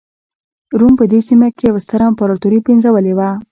روم په دې سیمه کې یوه ستره امپراتوري پنځولې وه.